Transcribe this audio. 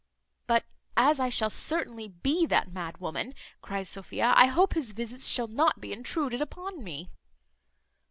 "But as I shall certainly be that mad woman," cries Sophia, "I hope his visits shall not be intruded upon me."